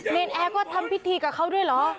นแอร์ก็ทำพิธีกับเขาด้วยเหรอ